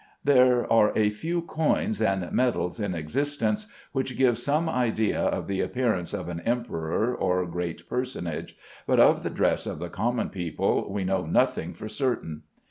There are a few coins and medals in existence which give some idea of the appearance of an emperor or great personage, but of the dress of the common people we know nothing for certain.